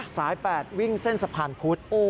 สาย๘วิ่งเส้นสะพานพุธ